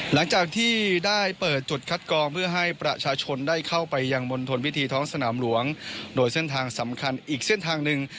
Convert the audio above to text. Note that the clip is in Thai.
หลังจากที่ได้เปิดจุดคัดกองเพื่อให้ประชาชนได้เข้าไปยังมณฑลพิธีท้องสนามหลวงโดยเส้นทางสำคัญอีกเส้นทางหนึ่ง